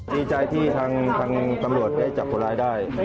ดีใจที่ทางตำรวจได้จับคนร้ายได้